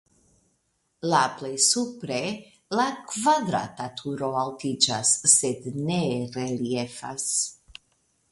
La plej supre la kvadrata turo altiĝas (sed ne reliefas).